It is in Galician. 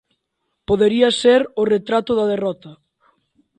Podería ser o retrato da derrota.